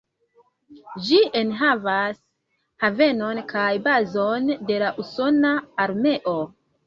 Ĝi enhavas havenon kaj bazon de la Usona armeo.